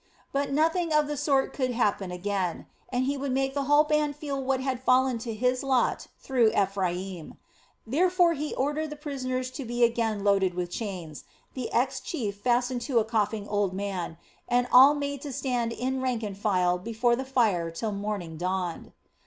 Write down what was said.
But nothing of the sort should happen again; and he would make the whole band feel what had fallen to his lot through Ephraim. Therefore he ordered the prisoners to be again loaded with chains, the ex chief fastened to a coughing old man, and all made to stand in rank and file before the fire till morning dawned.